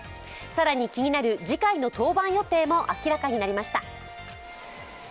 更に気になる次回の登板予定も明らかになりました。